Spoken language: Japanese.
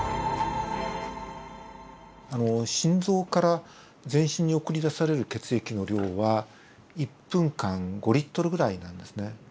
心臓から全身に送り出される血液の量は１分間５Ｌぐらいなんですね。